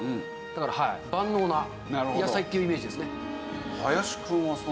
だから万能な野菜っていうイメージですね。